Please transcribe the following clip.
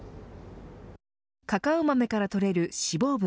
カカオ豆から採れる脂肪分